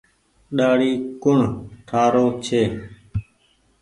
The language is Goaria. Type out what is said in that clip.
ڏآڙي ڪوڻ ٺآ رو ڇي۔